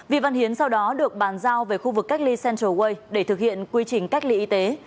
vi văn hiến sau đó được bàn giao về khu vực cách ly central way để thực hiện quy trình cách ly y tế